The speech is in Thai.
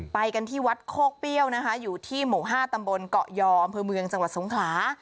ไปกันที่วัดโคกเปรี้ยวนะคะอยู่ที่หมู่๕ตำบลเกาะยออำเภอเมืองจังหวัดสงขลา